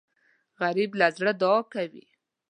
غریب له زړه دعا کوي